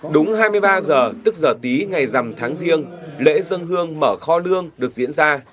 đúng hai mươi ba giờ tức giờ tí ngày dằm tháng riêng lễ dân hương mở kho lương được diễn ra